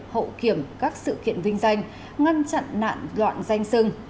hậu kiểm các sự kiện vinh danh ngăn chặn nạn loạn danh sưng